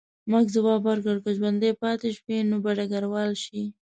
مک ځواب ورکړ، که ژوندی پاتې شوې نو به ډګروال شې.